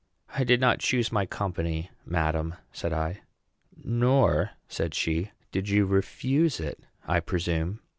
"I did not choose my company, madam," said I. "Nor," said she, "did you refuse it, I presume."